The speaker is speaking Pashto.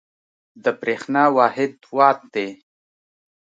د برېښنا واحد وات دی.